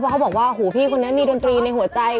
เขาบอกว่าหูพี่คนนี้มีดนตรีในหัวใจ